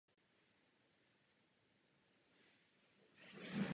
Worf je poctěn ale odmítne.